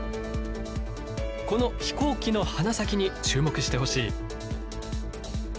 この飛行機の鼻先に注目してほしい。